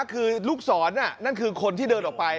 คือลูกศรนั่นคือคนที่เดินออกไป